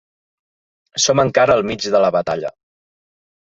Som encara al mig de la batalla.